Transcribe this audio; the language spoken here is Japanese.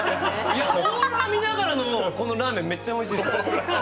オーロラ見ながらのラーメン、めっちゃうまいです。